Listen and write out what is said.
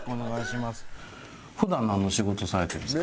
普段なんの仕事されてるんですか？